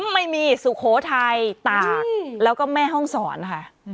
ไม่มีสุโขทัยตากแล้วก็แม่ห้องศรค่ะ